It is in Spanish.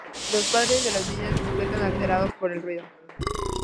Los padres de las niñas despiertan, alterados por el ruido.